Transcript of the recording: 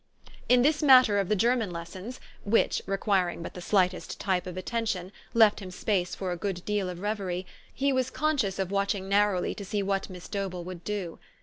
In this matter of the German lessons which, requiring but the sh'ghtest type of attention, left him space for a good deal of revery, he was con scious of watching narrowly to see what Miss Dobell would do.